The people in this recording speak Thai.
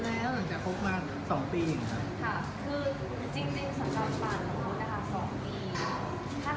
แล้วก็รู้สึกว่าคนนี้แหละคือคนที่ใช่